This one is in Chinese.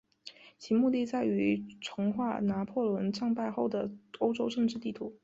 其目的在于重画拿破仑战败后的欧洲政治地图。